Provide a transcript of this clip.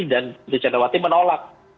dan putri candrawati menolak